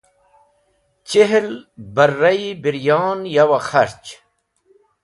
Chihl barra-e biryon yow-e kharch.